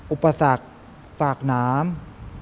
อุปสรรคฝากน้ำ